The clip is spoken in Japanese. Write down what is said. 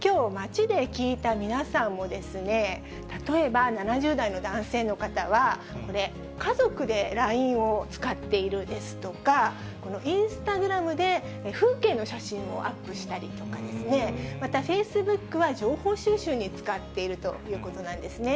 きょう、街で聞いた皆さんもですね、例えば７０代の男性の方は、これ、家族でＬＩＮＥを使っているですとか、インスタグラムで風景の写真をアップしたりとかですね、またフェイスブックは、情報収集に使っているということなんですね。